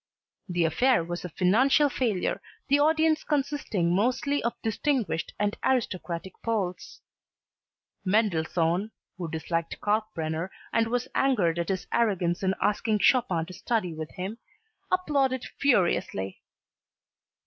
The affair was a financial failure, the audience consisting mostly of distinguished and aristocratic Poles. Mendelssohn, who disliked Kalkbrenner and was angered at his arrogance in asking Chopin to study with him, "applauded furiously."